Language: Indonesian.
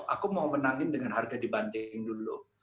aku mau menangin dengan harga dibanding dulu